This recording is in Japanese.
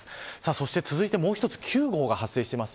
そしてもう一つ９号が発生しています。